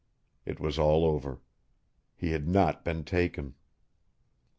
It was all over. He had not been taken.